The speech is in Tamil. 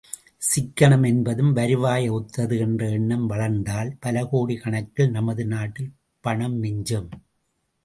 சிக்கனம் என்பதும் வருவாயை ஒத்தது என்ற எண்ணம் வளர்ந்தால் பலகோடிக் கணக்கில் நமது நாட்டில் பணம் மிஞ்சும்.